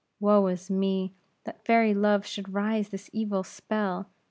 Woe is me, that fairy love should raise this evil spell!